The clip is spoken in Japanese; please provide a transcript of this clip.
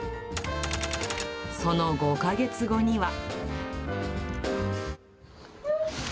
その５か月後には。